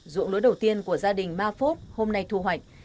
dụng lúa đầu tiên của gia đình ma phốt hôm nay thu hoạch